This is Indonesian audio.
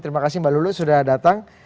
terima kasih mbak lulu sudah datang